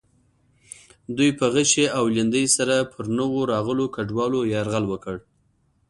دوی په غشي او لیندۍ سره پر نویو راغلو کډوالو یرغل وکړ.